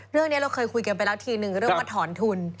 เรื่องนี้เราเคยคุยกันไปแล้วทีนึงเรื่องว่าถอนทุน